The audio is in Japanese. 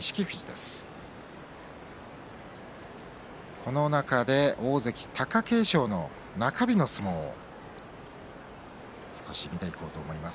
この中で大関貴景勝の中日の相撲を見ていこうと思います。